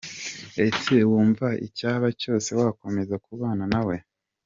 Ese wumva icyaba cyose wakomeza kubana na we?.